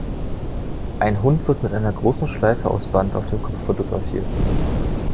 Ein Hund wird mit einer großen Schleife aus Band auf dem Kopf fotografiert.